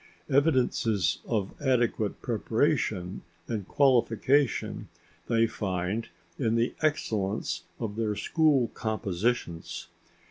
Evidences of adequate preparation and qualification they find in the excellence of their school compositions.